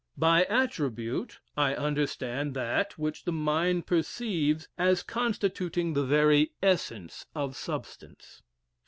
By attribute I understand that which the mind perceives as constituting the very essence of substance.